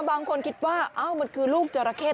บางคนคิดว่าเอ้ามันคือลูกเจอราเขต